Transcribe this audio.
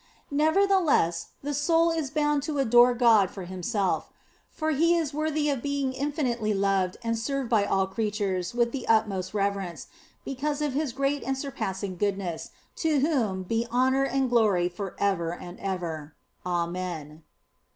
Nevertheless, the soul is bound to adore God for Him self. For He is worthy of being infinitely loved and served by all creatures with the utmost reverence, be cause of His great and surpassing goodness, to whom be honour and glory for ever and ever. Amen.